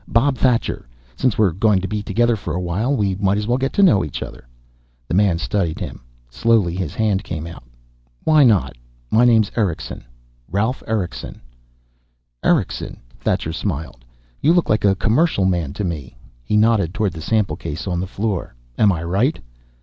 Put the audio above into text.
"Bob Thacher. Since we're going to be together for a while we might as well get to know each other." The man studied him. Slowly his hand came out. "Why not? My name's Erickson. Ralf Erickson." "Erickson?" Thacher smiled. "You look like a commercial man, to me." He nodded toward the sample case on the floor. "Am I right?"